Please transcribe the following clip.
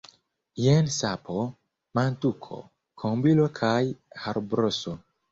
Jen sapo, mantuko, kombilo kaj harbroso.